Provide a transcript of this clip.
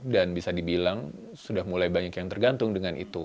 dan bisa dibilang sudah mulai banyak yang tergantung dengan itu